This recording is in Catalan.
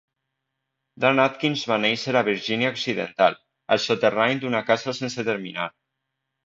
Dan Adkins va néixer a Virgínia Occidental, al soterrani d'una casa sense terminar.